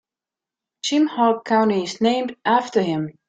Jim Hogg County is named after him.